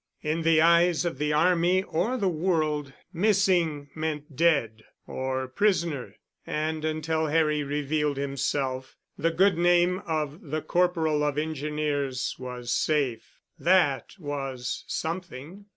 In the eyes of the army or of the world "missing" meant "dead" or "prisoner," and until Harry revealed himself, the good name of the corporal of Engineers was safe. That was something.